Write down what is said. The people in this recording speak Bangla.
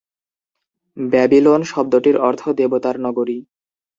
ব্যাবিলন শব্দটির অর্থ "দেবতার নগরী"।